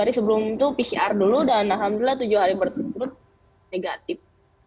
hari sebelum itu pcr dulu dan alhamdulillah tujuh hari berturut turut negatif